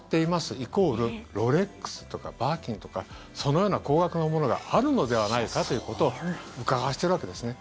イコールロレックスとかバーキンとかそのような高額のものがあるのではないかということをうかがわせているわけですね。